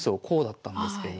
こうだったんです